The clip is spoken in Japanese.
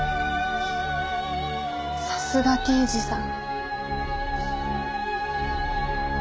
さすが刑事さん。